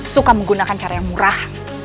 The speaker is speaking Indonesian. suka menggunakan cara yang murah